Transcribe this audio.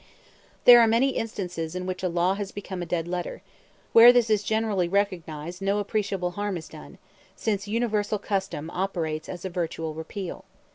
There are many instances in which a law has become a dead letter; where this is generally recognized no appreciable harm is done, since universal custom operates as a virtual repeal.